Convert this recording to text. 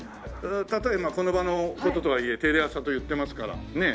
たとえこの場の事とはいえテレ朝と言ってますからねっ。